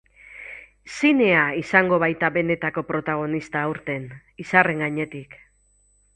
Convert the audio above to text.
Zinea izango baita benetako protagonista aurten, izarren gainetik.